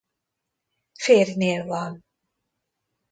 Férjnél van.